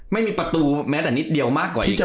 ไม่มีประตูแม้แต่นิดเดียวมากกว่าอีก